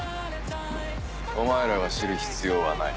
お前らが知る必要はない。